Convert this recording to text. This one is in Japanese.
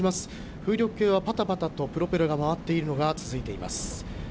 風力計はぱたぱたとプロペラが回っているのが続いています。